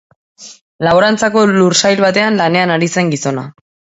Laborantzako lursail batean lanean ari zen gizona.